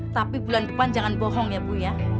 tapi bulan depan jangan bohong ya bu ya